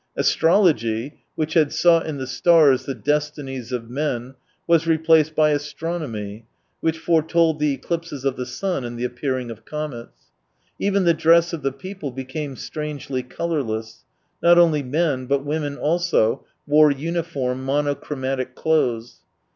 Astrology, which had sought in the stars th€ destinies of men, was replaced by astronomy, which foretold the eclipses of the sun and the appearing of comets. Even the dress of the people became strangely colourless ; not only men, but women also wore uniform, monochromatic clothes.